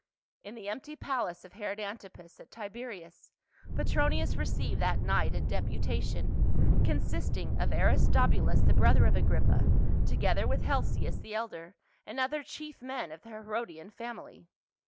In the empty palace of Herod Antipas at Tiberias, Petronius received that night a deputation, consisting of Aristobulus the brother of Agrippa, together with Helcias the elder, and other chief men of the Herodian family.